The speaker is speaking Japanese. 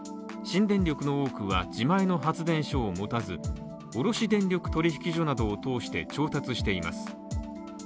新電力の多くは自前の発電所を持たず、卸電力取引所などを通して調達しています。